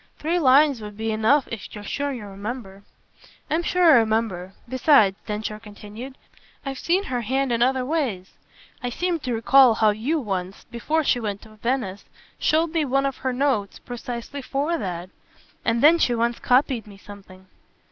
Three lines would be enough if you're sure you remember." "I'm sure I remember. Besides," Densher continued, "I've seen her hand in other ways. I seem to recall how you once, before she went to Venice, showed me one of her notes precisely FOR that. And then she once copied me something."